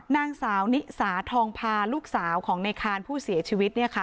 นางสาวนิสาทองพาลูกสาวของในคานผู้เสียชีวิต